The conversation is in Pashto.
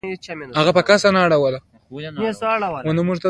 مجاهد د زړور اقدامونو مالک وي.